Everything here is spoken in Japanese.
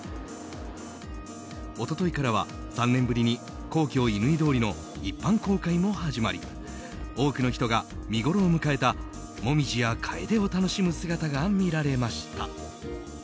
一昨日からは３年ぶりに皇居乾通りの一般公開も始まり多くの人が見ごろを迎えたモミジやカエデを楽しむ姿が見られました。